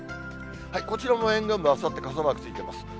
こちらも沿岸部は、あさって傘マークついてます。